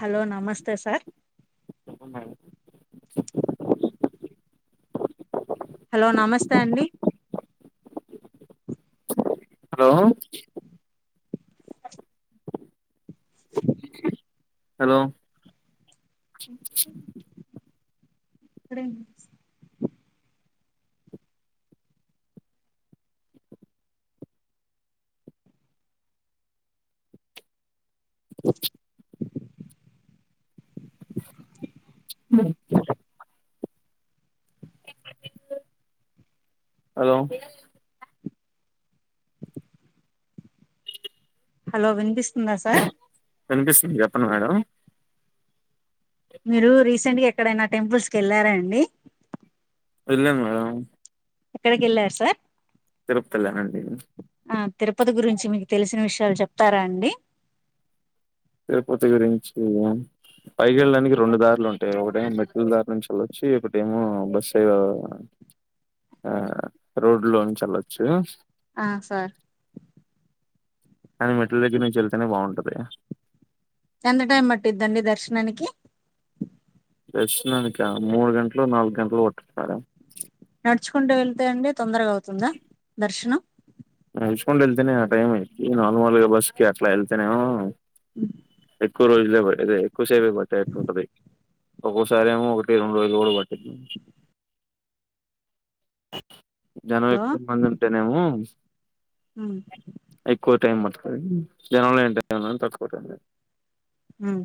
Hello నమస్తే sir hello hello నమస్తే అండి హలో హలో ర ఆ హలో హలో వినిపిస్తుందా సార్ వినిపిస్తుంది చెప్పండి మేడం మీరు రీసెంట్ గా ఎక్కడైనా టెంపుల్స్ కి వెళ్ళారా అండి వెళ్ళాం మేడం ఎక్కడికి వెళ్ళారు సార్ తిరుపతి వెళ్ళానండి ఆ తిరుపతి గురించి మీకు తెలిసిన విషయం చెప్తారా అండి తిరుపతి గురించి పైకిెళ్ళడానికి రెండు దారులు ఉంటాయి ఒకటేమో మెట్రల్ దారి ను వెల్లొచ్చు ఒకటేమో బస్ ఆ రోడ్ లో నుంచేల్లొచ్చు ఆ సార్ కానీ మెట్ల దగ్గర నుంచి వెళ్తేనే బాగుంటది ఎంత టైమ్ పట్టుద్దండీ దర్శనానికి దారర్షిణానిక మూడు గంటలు నాలుగు గంటలు పట్టుద్ది మేడం నడుచుకుంటే వెళ్తాయండి తొందరగా అవుతుందా దర్శనం నడుచుకుంటూ వెళ్తేనే ఆ టైం అయ్యిద్ది నార్మల్ బాస్ కి అట్లా వెళ్తేనేమో అ ఎక్కువ రోజులే పడ్ క్కువసేపె బటేట్టు ఉంటది ఒక్కోసారిేమో ఒకటి రెండు రోజులు కూడా పట్టి జనం ఎక్కువ మంది ఉంటేనేమో ఉమ్ టై మతుకై జనం లో [unintelligible] హుమ్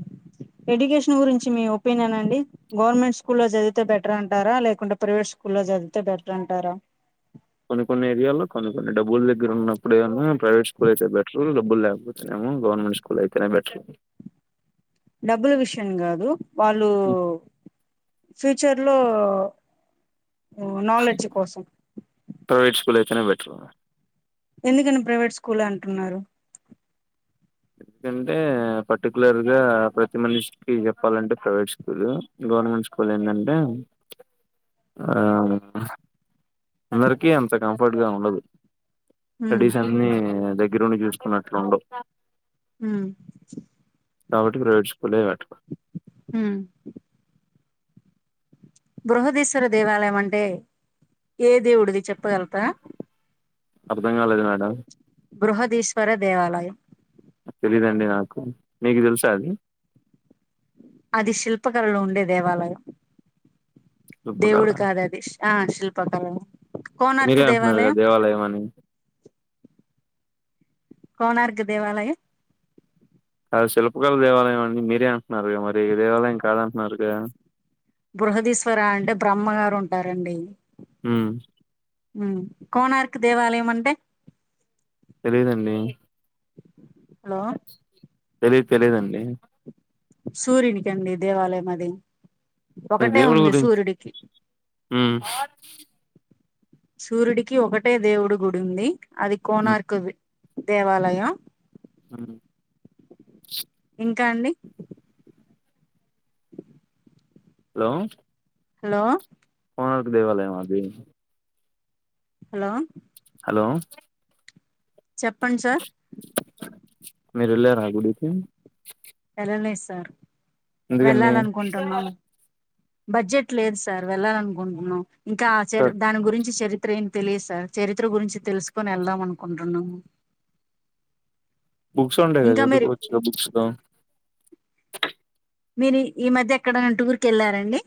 ఎడ్యుకేషన్ గురించి మీ ఒపీనియన్ అండి గవర్నమెంట్ స్కూల్లో చదివితే బెటర్ అంటారా లేకుంటే ప్రైవేట్ స్కూల్లో చదివితే బెటర్ అంటారా కొన్ని కొన్ని ఏరియాలో కొన్ని కొన్ని డబ్బులు దగ్గర ఉన్నప్పుడు ఏమో ప్రైవేట్ స్కూల్ అయితే బెటర్ డబ్బులు లేకపోతేనేమో గవర్నమెంట్ స్కూల్ అయితేనే బెటర్ డబ్బుల విషయం కాదు వాళ్ళు ఫ్యూచర్ లో ఓ నాలెడ్జ్ కోసం ప్రైవేట్ స్కూల్ అయితేనే బెటర్ ఎందుకని ప్రైవేట్ స్కూల్ అంటున్నారు ఎందుకంటే పర్టికులర్గా ప్రతి మనిషికి చెప్పాలంటే ప్రైవేట్ స్కూల్ గవర్నమెంట్ స్కూల్ ఏంటంటే ఆ అందరకి అంత కంఫర్ట్ గా ఉండదు ఉమ్ ట్రెడిషన్ మీమి దే గిరునీ పిలుచుకున్నట్లు ఉండవ్ హ్మ్ కాబట్టి ప్రవేట్ స్కూలే బెట్ హ్మ్ బృహదీశ్వర దేవాలయం అంటే ఏ దేవుడిది చెప్పగలుగుతరా అర్థం కాలేదు మేడం బృహదీశ్వర దేవాలయం తెలీయదండి నాకు మీకు తెలుసా అది అది శిల్పకళలో ఉండే దేవాలయం శిల్పకళ దేవుడు కాదు అది ఆ శిల్పకళ కోనార్కి మీరే అంటున్నారుగా దేవాలయం అని కోణార్క్ దేవాలయం అది శిల్పకళ దేవాలయం అండి మీరే అంటున్నారుగా మరి దేవాలయం కాదంటున్నారుగా బృహదీశ్వర అంటే బ్రహ్మగారు ఉంటారండి హ్మ్ ఉమ్ కోణార్కు దేవాలయంం అంటే తెలియదండి హలో తెలిదు తెలీయదండి సూర్యునికి అండి దేవాలయం అది ఇ ఒకటే దేవుళ్ళ ఉంది గురించ్ సూర్యుడికి హ్మ్మ్ ఆ ట్ సూర్యుడికి ఒకటే దేవుడు గుడి ఉంది అది ఉమ్ కోణార్కుది దేవాలయం హు ఇంకా అండి హలో హలో కోణార్క్ దేవాలయం మా అది హలో హలో చెప్పండి సార్. మీరు ఎల్లారా ఆ గుడికి వెళ్ళలే సార్ ఎందుకండి. వెళ్ళాలనుకుంటున్నాము బడ్జెట్ లేదు సార్ వెళ్ళాలనుకుంటున్నాం. ఇంకా చెర్ దాని గురించి చెరి త్ర ఏమి తెలియదు సార్ చరిత్ర గురించి తెలుసుకొని ఎళ్దాం అనుకుంటున్నాము. బుక్స్ ఉంటాయి కదా ఇంకా మీరు చదువుకోవచ్చుగా బుక్స్ లో మీరు ఈ మధ్య ఎక్కడనా టూర్ కి వెళ్ళారా అండి.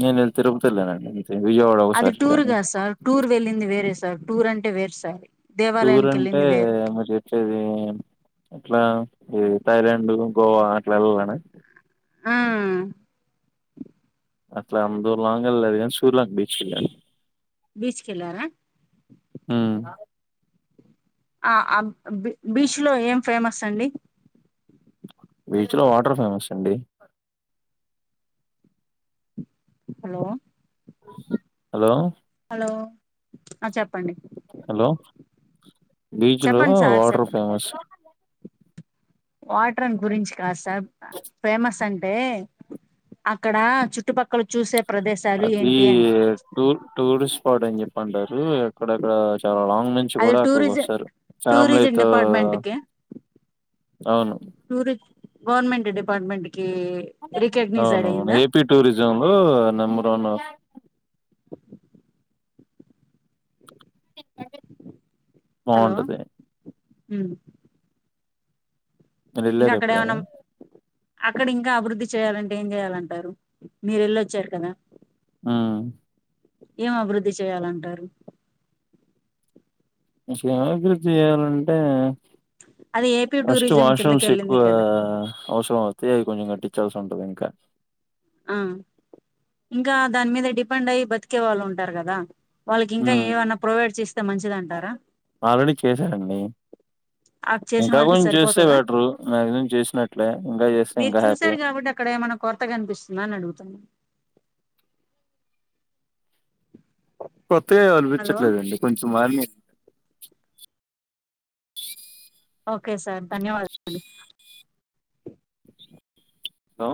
నేనా తిరుపతి వెళ్ళానండి. విజవాడ ఒకసారి టూర్ వెళ్ళాను. కాదు సార్ టూర్ వెళ్ళింది అది వేరే సార్, టూర్ అంటే వేరు సార్. టూర్ దేవాలయానికి అంటే వెళ్ళింది వేరు మరి చెప్పేది ఎట్లా ఈ థైలాండ్, గోవా అట్లా వెళ్ళాలన ఆ అట్లా ఎమ్ దూ లాంగ్ ఎల్ల లేదు కానీ సూలంగ్ బీచ్ వెళ్లాను బీచ్కి వెళ్ళారా హ్మ్ ఆ ఆ బి బీచ్ లో ఏం ఫేమస్ అండి. బీచ్ లో వాటర్ ఫేమస్ అండి. హలో హలో హలో ఆ చెప్పండి. హలో బీచ్ లో చెప్పండి సార్ వాటర్ చెప్పండి ఫేమస్. వాటర్ అని గురించి కాద్ సా ర్ ఫేమస్ అ ంటే అక్కడ చుట్టుపక్కల చూసే ప్రదేశాలు అది ఏంటి అని టూ టూరిస్ట్ స్పాట్ అని చెప్పంటారు. అక్కడక్కడా లాంగ్ నుంచి అది కూడా అక్కడికి టూరిజం వస్తారు టూరిజం ఫ్యామిలీతో డిపార్ట్మెంట్ అవును టూరిస్ట్ గవర్నమెంట్ డిపార్ట్మెంట్ కి రికగ్నైజ్డ్ అవునవును అయిందా ఏపీ టూరిజం లో నెంబర్ వన్. [inaudible] [inaudible] బావుంటది. మ్ మరి వెళ్ళేర ఏమన్నా ఎప్పుడైనా అక్కడ ఇంకా అభివృద్ధి చేయ్యాలంటే ఏం చేయాలంటారు, మీరు వెళ్ళొచ్చారు కదా ఆ ఏం అభివృద్ధి చెయాలంటారు ఏమీ అభివృద్ధి చెయాలంటే అది ఏపీ ఫస్ట్ టూరిజం వాష్రూమ్ కిందకి సిక్వ వెళ్ళింది కదా ఔసరం అవుతు [unintelligible] కాటయించాల్సి ఉంటదియింకా ఆ ఇంకా దాని మీద డిపెండ్ అయ్యి బతికే వాళ్ళు ఉంటారు కదా వాళ్ళకి ఇంకా ఉమ్ ఏమన్నా ప్రొవైడ్ చేస్తే మంచిది అంటారా, ఆల్రెడీ చేశారండి అ చేసిన ఇంకా వరకి కొంచెం చేస్తే సరిపోతుందా, బెటరు మాక్సిమం చేసినట్లే ఇంకా చేస్తే మీరు ఇంకా హ్యాపీ చూసారు కాబట్టి అక్కడ ఏమైనా కొరతగా కనిపిస్ ఉన్న అడుగుతున్నాను కొత్తగాఏమీ హలో కల్పించట్లేదండి కొంచెం కుమారి ఓకే సార్ ధన్యవాదాలు అ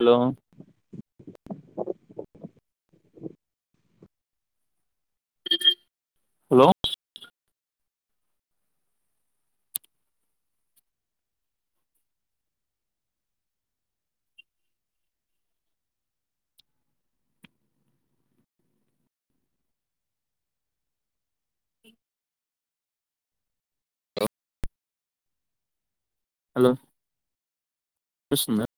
హలో హలో హలో వినిపిస్తుందా